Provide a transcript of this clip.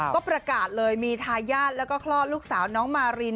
ก็ประกาศเลยมีทายาทแล้วก็คลอดลูกสาวน้องมาริน